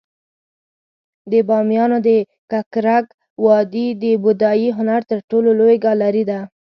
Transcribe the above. د بامیانو د ککرک وادي د بودايي هنر تر ټولو لوی ګالري ده